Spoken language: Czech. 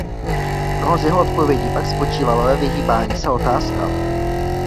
Mnoho z jeho odpovědí pak spočívalo ve vyhýbání se otázkám.